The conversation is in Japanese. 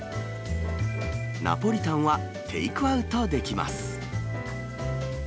ナポリタンはテイクアウトできます。